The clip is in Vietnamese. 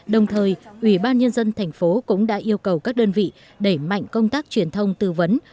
đồng thời ủy ban nhân dân thành phố cũng đã yêu cầu các đơn vị đẩy mạnh công tác truyền thông tư vấn